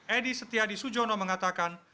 edi setiadi sujono mengatakan